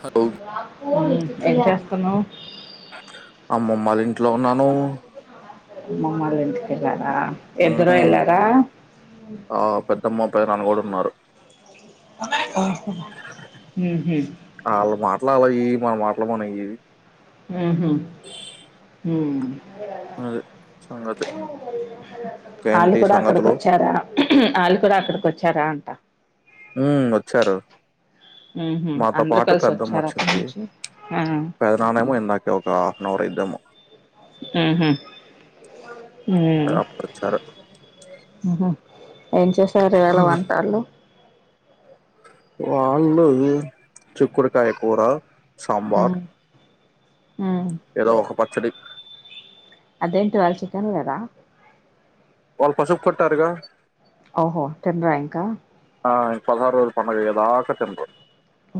Hello ఉమ్ ఏం చేస్తున్నావ్ అమ్మమ్మ వాళ్ల ఇంట్లో ఉన్నాను అమ్మమ్మ వాళ్ళ ఇంటికి వెళ్ళా ఆ ఇద్దరూ ఉమ్, ఎళ్లారా ఆ పెద్దమ్మ పెదనాన్న కూడా ఉన్నారు అహ ఉహు అలా అలా ఇ మన మాటలు మన ఎవి ఉహు ఊ అది సంగతి వాళ్ళు ఏంటి కూడా అక్కడికి సంగతులు వచ్చారా వాళ్ళ కూడా అక్కడికి వచ్చారా అంట హు వచ్చారు ఉహు మాతో అందరు పాటు కలిసి పెద్దమ్మ వచ్చారు అక్కడి వచ్చింది నుంచి ఆ పెద్దనానేమో ఇందాకే ఒక హాఫ్ అన్ అవర్ అయిద్దేమో ఉహు ఉమ్ రాత్రి వచ్చారు ఉహు ఏం చేశారు ఈ వాలా వంటలు వాళ్ళు చిక్కుడుకాయ కూర సాబార్ ఉమ్ ఉమ్ చెరో ఒకపక్క చెడి ఏంటి ఇవాళ చికెన్ లేదా వాళ్ళు పసుపు కొట్టారుగా ఓహో తిన్నారా ఇంకా ఆ పదహారు రోజు పండగ అయ్యేదాకా తినరు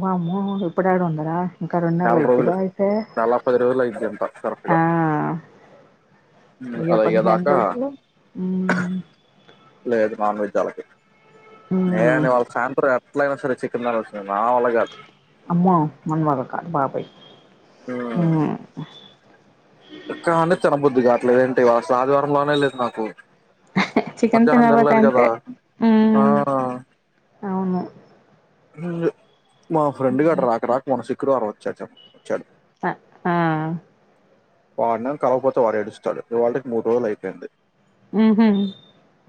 వామ్మో ఇఎప్పుడు ఏడ ఉందిరా ఇంకా రెండు నెలలు నేల రోజులు అయిద్దిగా అయితే నేల పది రోజులు అయిది అంట కరెక్ట్ గా ఆ ఇగ అది పదిహేను అయ్యేదాకా రోజులు మ్మ్ లేదు నాన్ వెజ్ తలకి మ్మ్ ఏని వాళ్ళ సాయంత్రం ఎ ఎట్లైనా సరే చికెన్ వస్తా అమ్మో మన్ వాళ్ళ కాదు బా యి హ్మ్ కాను తినబుద్దికాద్ ఇట్లే ఏంటి అసల్ ఆదివారంలా నే లేదు నాకు చికెన్ మధ్యాహ్నం తినకపోతే తినలేదు అంతే కదా ఆ హ్మ్ అవును అ మా ఫ్రెండ్ గాడు రాక రాక హోంసిక్ శుక్ర వారం వచ్చచ్చా అ ఆ వాడినం కలకపోతే వడు ఎస్తాడు ఇవాళ్ళకి మూడు రోజులు అయిపోయింది మ్మ్ హ్మ్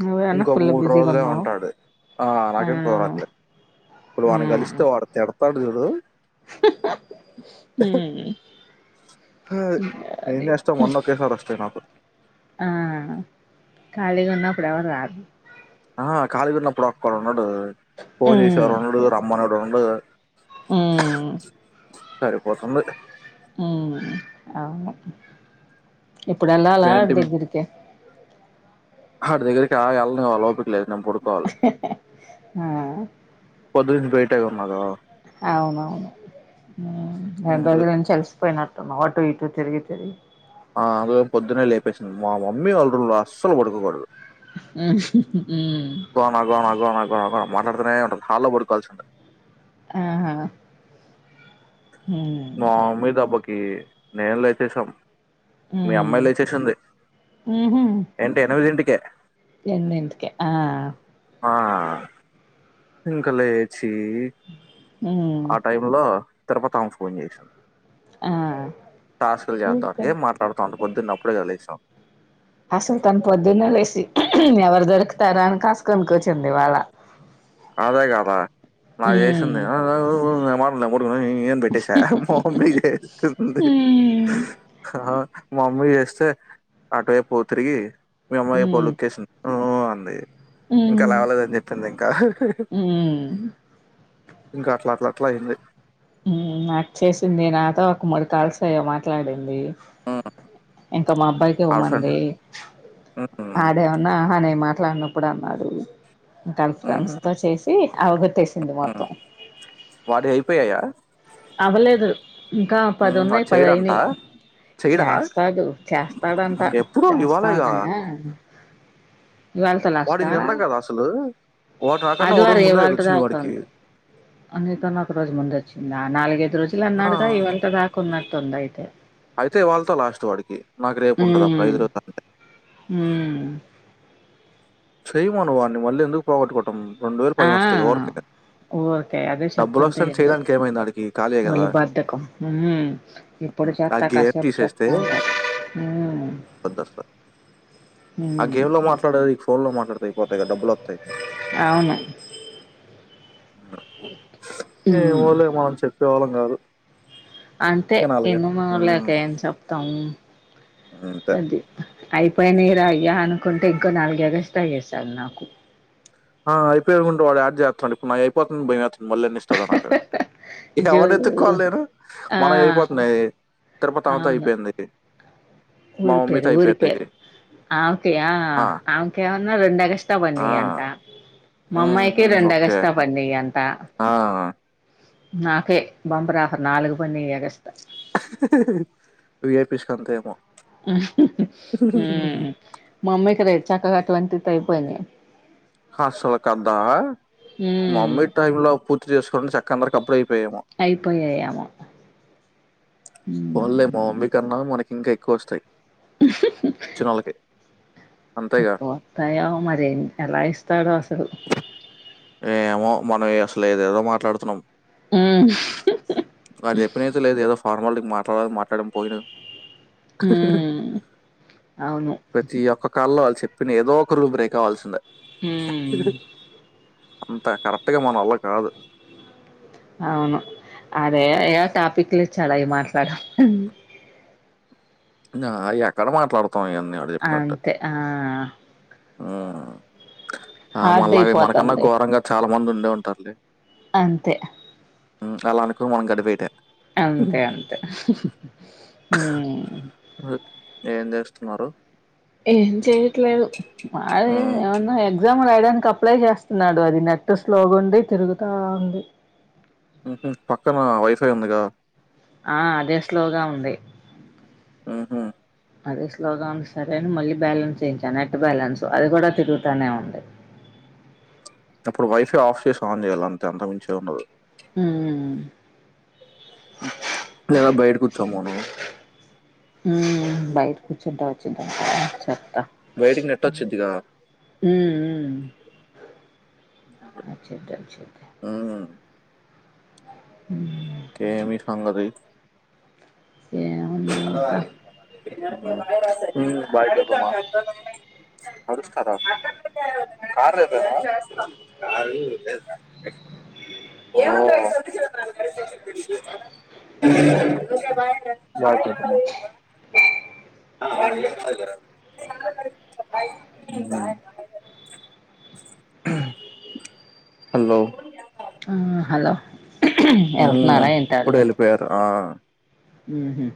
నువ్వేమన్నా ఇంకో ఫుల్ మూడు బిజీగా రోజులే ఉన్నావు ఉంటాది ఆ నాకేం కుదరట్లేదు ఇప్పుడు వాని కలిస్తే వాడు తిడ్ పడుదుడు హ్మ్ ఏం అది చేస్తాం మొన్న ఒకేసారి వస్తాయి నాకు ఆ కాళి కున్న ఇప్పుడు ఎవరు రారు ఆ కాల గున్నప్పుడు ఒక్కడు ఉండడు ఫోన్ చేసేవారు ఉండరు రమ్మ ఉండ హ్మ్ సరిపోతుంది హ్మ్ అవును ఇప్పుడు వెళ్లాలా ఆడి దగ్గరికి హ దెగ్గరికా ఏళ్ళను ఆలోపు లేదు నేను పడుకోవాలి ఆ పొద్దున పే ఒక్కటే ఉన్నగా అవునువును హ్మ్ రెండు రోజుల నుంచి అలిసిపోయినా ఆటు ఇటు తిరిగి తిరిగి ఆ అదే పొద్దునే లేపేసింది మా మమ్మీ వాళ్ళ రూమ్ లా అస్సలు పడుకోకూడదు హ్మ్ గోనా గోనా గోనా గోనా గో మ పడతనే ఉంటది హాల్లో పడుకోవాల్సిందే ఆహా హ్మ్ మా మమ్మీ దెబ్బక్ కి మేం లేచేశాం మీ హ్మ్ అమ్మాయి లేచేసింది, ఏంటి ఎనిమిదింటికే ఎందింటికే ఆ ఆ ఇంక లేచ్ ఈ హ్మ్ ఆ టైమ్ లో తిరుపతామ ఫోన్ చేసింది ఆ టాస్కులు చేద్దాం ఊరికే ఏ మాట్లాడుతాం అంత పొద్దున్నే ఆప్పుడే గద లేసాం. అసలు తను పొద్దున్నే లేసి ఎవరు దొరుకుతారా అని కాస్కొని కూచ్చుంది ఇవాళ్ళ అదే కదా నాకు చేసింది అ [unintelligible] [unintelligible] [unintelligible] ఇ అనే పెట్టేసా మొహం మీదే తిడుతుంది హ్మ్ హా మా మమ్మీ చేస్తే అటేపు తిరిగి మీ అమ్మాయి పో హ్మ్ లుక్కేసిన్ హు హు అంది ఇంకా హ్మ్ లావలేదని చెప్పింది ఇంకా హ్మ్ ఇంక అట్లా ట్లా ట్లా అయింది హ్మ్ నాకు చేసింది నాతో ఒక మూడు కాల్స్ ఏమో మాట్లాడింది. ఆ ఇంకా మా అబ్బాయికి ఇవ్వమంది. ఆడేమన్నా అహా నేను మా ట్లాన్నిప్పుడు అన్నాడు తన ఫ్రెండ్స్ తో చేసి అవగొట్టేసింది మొత్తం వాడి అయిపోయాయా అవ్వలేదు ఇంకా పది ఉమ్, ఉన్నాయి వాడు చేయడంట పదిఅయినాయి చేయడా చేస్తాడు చేస్తాడంట ఎప్పుడు ఇవాళగా చేస్తాలే ఇవ్వాళ్తో వాడి లాస్టా నిన్న కదా అసలు వాడు నాకన్నా ఓ రోజు ఆదివారం ముందే కదా ఇవ్వాల్టి వచ్చింది దాకా వాడికి ఉంది అందుకనొక రోజు ముందే వచ్చిం ఆ నాలుగైదు రోజులు ఆ, అన్నాడుగా ఇవ్వాల్టి దాకున్న కుందయితే అయితే ఇవ్వాళ తో లాస్ట్ వాడికి నాకు రేపు ఉంటది అప్పుడు ఉమ్ ఐదు రోజుల [inaudible] ఉమ్ చేయమను వాడ్ని మళ్ళీ ఎందుకు పోగట్టుకో ఆ ఓకే అదే చెప్తుంటే డబ్బులొస్తాయని ఏందో, చేయడానికి ఏమైంది ఆడికి? ఖాళీయే గదా! ఒళ్ళు బద్ధకం హ్మ్ ఇప్పుడు హ్మ్. ఆ చేత్తా గేమ్ కాసేపు తీసేస్తే చేత్తా [unintelligible] హ్మ్ వద్దసల. హ్మ్ ఫోన్ లో మాట్లాడుతర అయిపోతాయి గా డబ్బులు వత్తయ్ అవును ఉమ్ చోలం కాదు అంతే ఎన్న మలేక ఏ [unintelligible] తం అంతే. అది అయిపోయినా రా అయ్యా అనుకుంటే ఇంకో నాలుగు ఎగస్ట్రా ఏశారు నాకు ఆ అయిపోయికుంట వాడు యాడ్ చేస్తాం నాది అయిపోతుంది మళ్ళీ ఎన్ని ఇస్తాడో నాకు జో ఎవరినిఎతుక్కోల్ల లేను ఆ మనం అయిపోతున్నాయి తిరుపతి అంతా అవును అయిపోయింది మా ఊరిపేరు మమ్మీతో అయిపోయింది. ఊరిపేరు ఆమెక్యా ఆ! ఆమెకేమన్నా రెండు ఎగస్ట్రా ఆ! పన్నయిఅంటా హ్మ్. మామ్మాయికి హ్మ్. రెండ ఓకే. ఎగస్ట్రా పన్నాయె ఆ నాకే బంబర్ ఆఫర్ నాలుగు పన్నాయ్ ఎగస్ట్రా వి ఐ పి స్కీ అంతే ఏమో మా అమ్మయికి రేకచక్కతెచ్చాక అటువంటిది [unintelligible] అయిపోనియా హాస్టల్ కి అమ్ముతావా హ్మ్ మామొల్ టైమ్ లో పుట్ బుక్ చేసుకోండి చక్కగా అందరికీ అప్పుడే చెప్ అయిపోయాయామొ పోన్ లే మా మమ్మీ కన్నా మనక్ ఇంకా ఎక్కువ వస్తాయ్ అంతేగా ఎక్కువ వత్తాయ మరి ఎలా ఇస్తాడో అస్ సలు ఏమో మనం అసలు ఏదేదో మాట్లాడుతున్నాం హ్మ్ వాడు జొప్పింనయితే లేదు ఏదో ఫార్మాలిటీకి మాట్లాడాలని మాట్లాడడం పోయినాం ఊ అవును కాళ్ళో వాళ్ళు చెప్పిన ఏదో ఒక రూల్ బ్రేక్ కావల్సిందే ఊ అంత కరెక్ట్ గా మన వల్ల కాదు అవును అదే ఏదో టాపిక్ లు ఇచ్చాడు అయి మాట్లాడు నా ఎక్కడ మాట్లాడు అంతే ఆ హ్మ్ ఆ హార్డ్ మళ్ళ అయి మనకన్నా అయిపోతుంది ఘోరంగా చాలా మంది ఉం డే ఉంటారులే. అంతే మ్ అలా అనుకొని మొన్న గడి పేట అంతే అంతే మ్మ్ ఏం చేస్తున్నారు? ఏం చెయట్లేదు మాది హ్మ్. ఏమన్నా ఎగ్జా రాయడానికి అప్లై చేస్తున్నాడు అది నెట్ స్లో గుండి తిరుగుతా ఉంది. మ్మ్ హు పక్కన వైఫై ఉంది కదా. ఆ అదే స్లోగా ఉంది. హ్మ్ హు అదే స్లోగా ఉంది సరేని మళ్ళీ బ్యాలెన్స్ చేయించా నెట్ బ్యాలెన్స్ అది కూడా తిరుగుతానే ఉంది. అప్పుడు వైఫై ఆఫ్ చేసి ఆన్ చేయాల అంతే, అంతకు మించి ఏదుండదు. హ్మూ చ్చం మనం. మ్మ్ బయిట కూచుంట టావా చెత్త బయటికి నెట్ వచ్చిద్దిగా. మ్మ్ అచ్చేద్ది మ్ ఇంకేమి సంంగతి. ఏమున్నాయి అనాల ఇంకా బ అస్కార కార్ కారు లేదు బాయ్ చెప్పమ్మా. బ హలో ఆ హలో మ్మ్ వెళ్తున్నారా ఉప్పుడే ఎళ్ళిపోయారు ఆ మ్ హు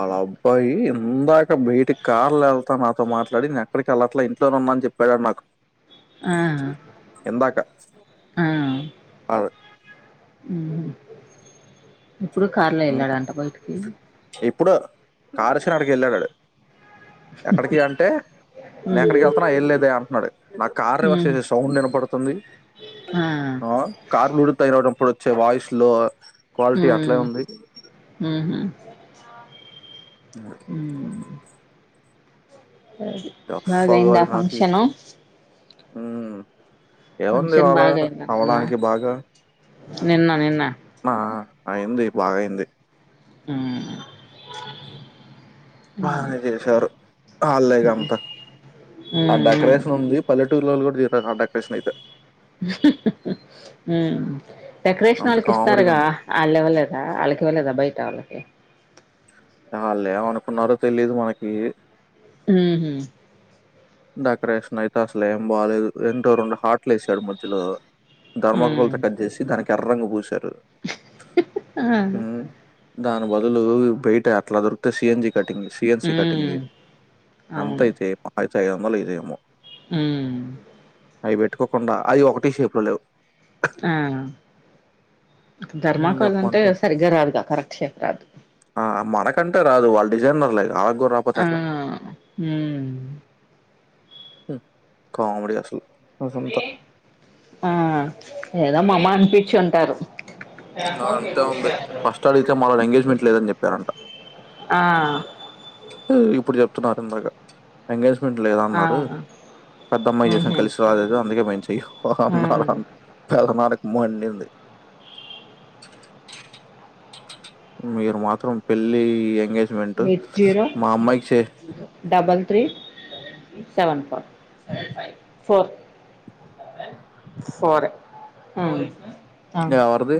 ఆళ అబ్బాయి ఇందా బయటికి కార్లాఎల్ త నాతో మాట్లాడి నేను ఎక్కడికి ఎళ్ళట్లా ఇంట్లోనే ఉన్నా అని చెప్పాడు ఆడు నాకు. ఆ ఇందాక అది మ్ ఇప్పుడు కార్లో ఎళ్ళాడంటా బయటికి కార్ తీసుకొని ఆడికెళ్ళాడు ఆడు ఎక్కడికి అంటే నేను ఎక్కడికి ఉమ్ వెళ్తున్నా ఏం లేదే అంటున్నాడు నా కార్ ర వే సౌండ్ నినపడుతుంది ఆ ఆ కార్లు ఉడితవడం ఇప్పుడు వచ్చే వాయిస్ లో క్వాలిటీ ఉమ్ అట్లా ఉంది ఉహు ఆహా అ బాగాయింద ఫంక్షను హూ ఏముంది ఫంక్షన్ వాళ బాగయిందా నిన్న అవడానికి బాగా నిన్న నిన్న నా అయింది బాగాయింది హు బాగా చేసారు హల్లేగ అంత ఆ ఉమ్ డెకరేషన్ ఉంది పల్లెటూళ్లలు కూడా డెకరేషన్ అయితే హు డెకరేషన్ అంత వాళ్ళకి కామెడీగా ఇస్తారుగా ఉంది. వాళ్ళు ఇవ్వలేదా వాళ్ళకి ఇవ్వలేదా బయట వ అ లే అనుకున్నారో తెలిదు మనకి ఊహు డెకరేషన్ అయితే అసలు ఏం బాలలేదు ఎంతోరెండు హాట్లు వేసాడు మధ్యలో ధర్మకోల్ ఉమ్ తో కట్ చేసి దానికి కర రంగు పూశారు ఆ హ్మ్. దాని బదులు బయట అట్లా దొరికితే CNG cutting CN C cutting ఉమ్ ఎంతయితే ఐదుఅందాలు అయితేమో హు అవి పెట్టుకోకుండా అవి ఒకటి షేప్ లో లేవు ఆ ఏం ధర్మాకాల్ అంటే చెప్పమంటావు? సరిగ్గా రాదుగా కరక్షేప రాదు కంటే రాదు వాళ్ళ డిజైనర్లే అలా ఆహ హు కమడి అసలు అసంత ఆ ఏదో మామ్మ అనిపించి ఉంటారు ఆ అంతే ఉంది ఫస్ట్ ఆడితే మళ ఎంగేజ్మెంట్ లేదని చెప్పారంట ఆ ఇప్పుడు చెప్తున్నారు ఇందక ఎక లేదా ఆ అన్నారు పెద్ద అమ్మాయి చేసాం ఉహు కలిసి రాలేదు అందుకే మ చెయ హ్మ్ అన్నారు నా [unintelligible] మళ్ళీ ఉంది మీరు మాత్రం పెళ్ళీ ఎ. ఎంగేజ్ మెంటు ఎయిట్ జీరో మా అమ్మాయికి చే. Double three seven four four ఫోరే ఉమ్. ఎవరిది.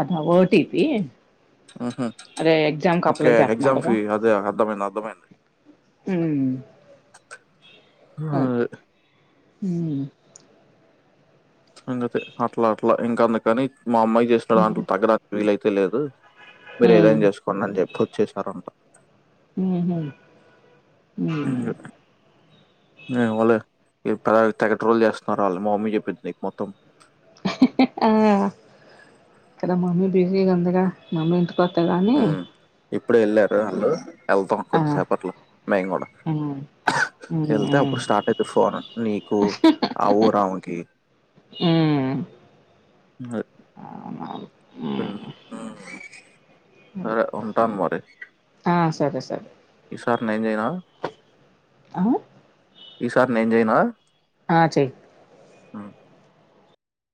అట్లా ఓటిపి. అహ ఓకే ఎగ్జామ్ చేస్తున్నారుగా కి అదే అర్థమైంది అర్థమైంది. ఉమ్. ఆయ్. ఉమ్. [unintelligible] మా అమ్మాయి చేస్తా హ్మ్ అంటు తగ్గద పేల్ అయి. తేలేదు. మీరు హ్మ్ ఏదైనా చేసుకున్న అని జెప్. వొచ్చేసారంట. ఉహు. [inaudible] నేను వొలే ఇగ ప్రయ్ తెగట్రోల్లు చేస్తున్నారు వాళ్ళు మా మమ్మీ చెప్పిద్ధి నీకు మొత్తం. వాళ్ళ మమ్మి బిజీ గుంది గ మమీ. కొత్తగానే. హ్మ్. ఇప్పుడే ఎళ్ళారు అందరు. ఏళ్తున్నాం కొద్దిసేపట్లో మేము కూడా, హ్మ్ హ్మ్ వెళ్తే హ్మ్ అప్పుడు స్టార్ట్ అయితది ఫోన, నీకు ఆ ఊరామకి. ఆ. హ్మ్ [unintelligible] సరే ఉంటన్ మరి ఆ సరే సరే ఇస్. సార్ నేన్ జెయనా. అ. ఈసారి నేన్ జెయనా. ఆ చెయ్. ఆ.